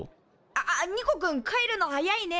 ああっニコくん帰るの早いね。